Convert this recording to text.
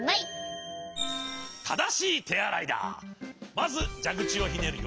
まずじゃぐちをひねるよ。